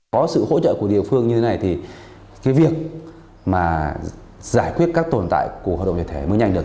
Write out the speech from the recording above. có sự hỗ trợ của địa phương như thế này thì cái việc mà giải quyết các tồn tại của hợp đồng truyền thể mới nhanh được